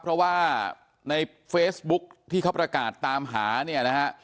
เพราะว่าในเฟซบุ๊คที่เขาประกาศตามหาเนี่ยนะฮะ